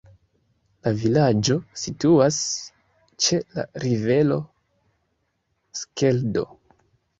La vilaĝo situas ĉe la rivero Skeldo.